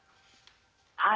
はい。